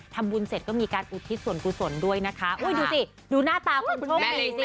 ทำบุญเสร็จก็มีการอุทิศส่วนด้วยนะคะดูหน้าตาความชมดีสิ